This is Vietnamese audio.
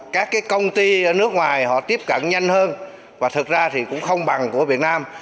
các công ty ở nước ngoài họ tiếp cận nhanh hơn và thật ra thì cũng không bằng của việt nam